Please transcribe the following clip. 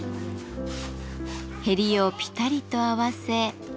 へりをぴたりと合わせ。